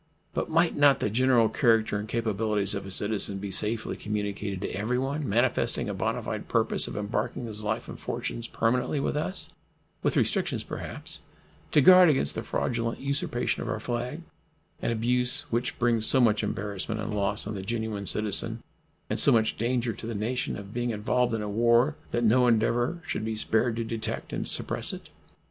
But might not the general character and capabilities of a citizen be safely communicated to everyone manifesting a bona fide purpose of embarking his life and fortunes permanently with us, with restrictions, perhaps, to guard against the fraudulent usurpation of our flag, an abuse which brings so much embarrassment and loss on the genuine citizen and so much danger to the nation of being involved in war that no endeavor should be spared to detect and suppress it?